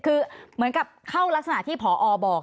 คือเหมือนกับเข้ารักษณะที่ผอบอก